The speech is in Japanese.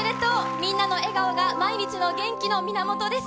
みんなの笑顔が毎日の元気の源です。